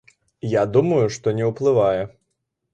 Я думаю, што не ўплывае.